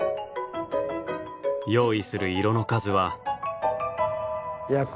用意する色の数は。